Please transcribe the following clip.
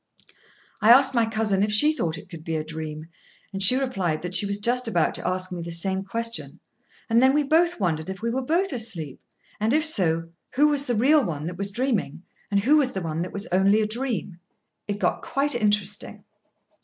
I asked my cousin if she thought it could be a dream, and she replied that she was just about to ask me the same question; and then we both wondered if we were both asleep, and if so, who was the real one that was dreaming, and who was the one that was only a dream; it got quite interesting.